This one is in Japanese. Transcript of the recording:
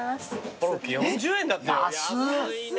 コロッケ４０円だってよ安いね。